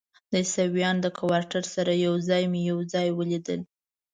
د عیسویانو کوارټر سره یو ځای مې یو ځای ولیدل.